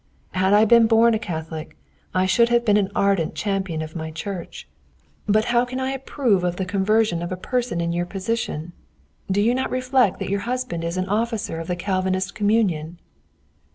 Had I been born a Catholic, I should have been an ardent champion of my Church. But how can I approve of the conversion of a person in your position? Do you not reflect that your husband is an officer of the Calvinist communion?"